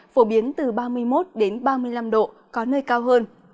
phổ biến từ ba mươi một ba mươi năm độ có nơi cao hơn